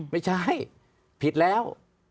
ไม่ใช่ผิดแล้ว